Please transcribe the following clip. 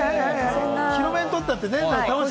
広めにとってあってね。